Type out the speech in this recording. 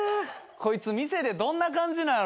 こいつ店でどんな感じなんやろう。